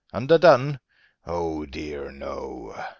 Underdone? Oh, dear, no!